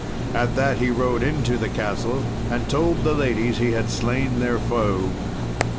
At that he rode into the castle and told the ladies he had slain their foe.